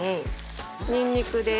ニンニクです。